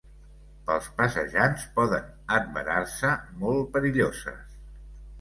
Pels passejants poden adverar-se molt perilloses.